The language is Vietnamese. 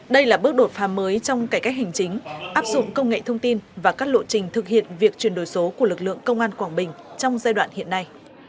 đây là bước đột pha mới trong cải cách hành chính áp dụng công nghệ thông tin và các lộ trình thực hiện việc chuyển đổi số của lực lượng công an quảng bình trong giai đoạn hiện nay